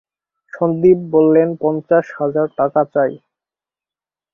সন্দীপ বললেন, পঞ্চাশ হাজার চাই।